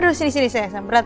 aduh sini sini sayang